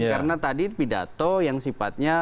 karena tadi pidato yang sifatnya